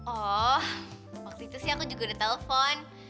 oh waktu itu sih aku juga udah telepon